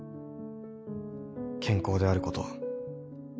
健康であること。